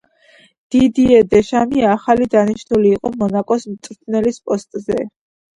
დიდიე დეშამი ახალი დანიშნული იყო მონაკოს მწვრთნელის პოსტზე.